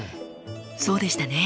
そうでしたね。